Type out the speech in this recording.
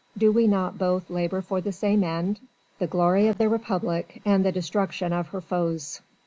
"Do we not both labour for the same end? The glory of the Republic and the destruction of her foes?"